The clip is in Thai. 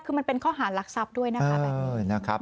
คือมันเป็นข้อหารหลักทรัพย์ด้วยนะครับ